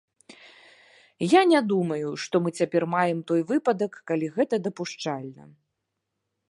Я не думаю, што мы цяпер маем той выпадак, калі гэта дапушчальна.